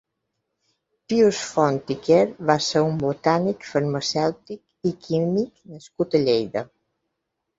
Pius Font i Quer va ser un botànic, farmacèutic i químic nascut a Lleida.